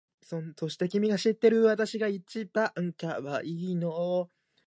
宇宙人は存在しないと思っている。